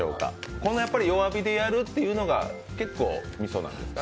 こんな弱火でやるというのが結構みそなんですかね。